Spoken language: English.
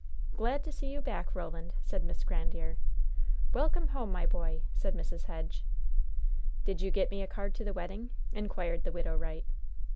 "Glad to see you back, Roland!" said Miss Grandiere. "Welcome home, my boy!" said Mrs. Hedge. "Did you get me a card to the wedding?" inquired the Widow Wright.